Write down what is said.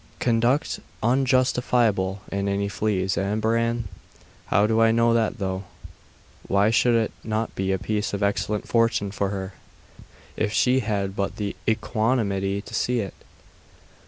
'Conduct unjustifiable in any fleas, eh, Bran? How do I know that, though? Why should it not be a piece of excellent fortune for her, if she had but the equanimity to see it?